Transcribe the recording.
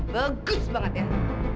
bagus banget ya